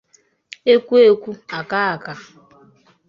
Ekwuekwu akààkà